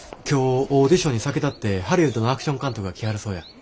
今日オーディションに先立ってハリウッドのアクション監督が来はるそうや。